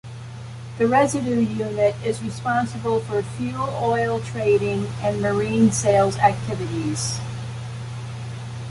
The Residue unit is responsible for fuel oil trading and marine sales activities.